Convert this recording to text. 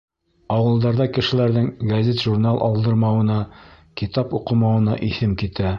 — Ауылдарҙа кешеләрҙең гәзит-журнал алдырмауына, китап уҡымауына иҫем китә.